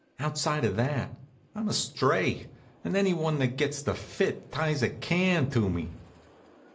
Outside of that I'm a stray, and anyone that gets the fit ties a can to me.